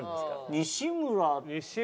西村。